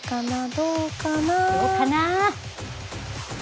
どうかな？